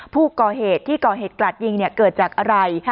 ผู้ก่อเหตุที่ก่อเหตุกราดยิงเกิดจากอะไร